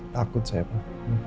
takut saya pak